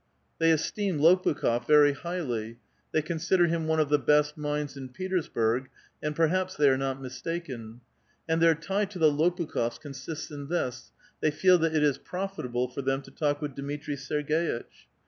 I'hey esteem Lopukh6f very highly ; they consider him one of the best minds in Petersburg, and perhaps they are not mistaken. And their tie to the Tx)pukh6f8 consists in this : they feel that it is profitable for them to talk with Dmitri Serg^itch.